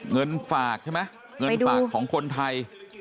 เงินฝากใช่ไหมเงินฝากของคนไทย